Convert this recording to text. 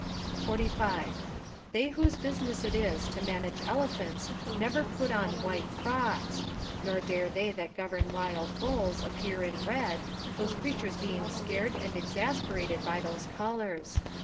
45. They whose business it is to manage elephants never put on white frocks, nor dare they that govern wild bulls appear in red, those creatures being scared and exas perated by those colors.